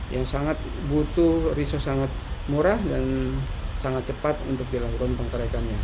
yang sangat butuh resource sangat murah dan sangat cepat untuk dilakukan pengkerekannya